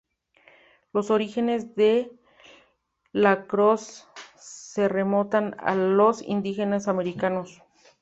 Los orígenes del lacrosse se remontan a los indígenas americanos.